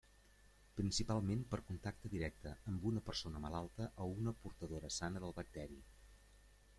Principalment per contacte directe amb una persona malalta o una portadora sana del bacteri.